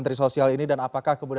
proses penanganan covid sembilan belas